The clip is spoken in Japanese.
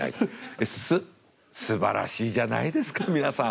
で「すすばらしいじゃないですか皆さん。